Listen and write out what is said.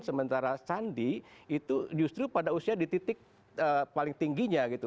sementara sandi itu justru pada usia di titik paling tingginya gitu